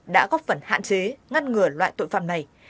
đã góp phần hạn chế ngăn ngừa loại tội phạm này